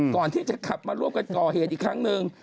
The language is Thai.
ก่อนที่จะขับมาร่วมกันก่อเหตุอีกครั้งหนึ่ง